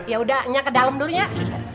yaudah nyak ke dalem dulu nyak